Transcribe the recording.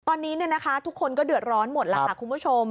ตอนนี้ทุกคนก็เดือดร้อนหมดแล้วค่ะคุณผู้ชม